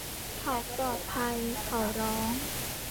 เขาปลอดภัย เขาร้อง